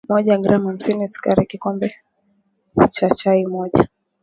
moja gram hamsini Sukari kikombe cha chai moja